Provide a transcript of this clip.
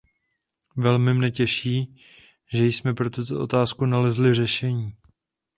Velmi mne těší, že jsme pro tuto otázku nalezli řešení.